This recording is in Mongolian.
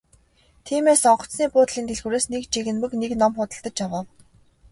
Тиймээс онгоцны буудлын дэлгүүрээс нэг жигнэмэг нэг ном худалдаж авав.